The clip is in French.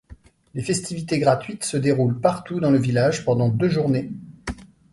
Les festivités gratuites se déroulent partout dans le village pendant deux journées.